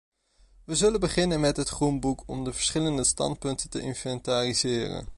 We zullen beginnen met het groenboek om de verschillende standpunten te inventariseren.